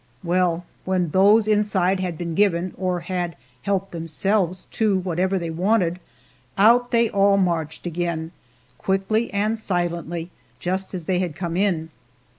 Well, when those inside had been given, or had helped themselves to, whatever they wanted, out they all marched again, quickly and silently, just as they had come in.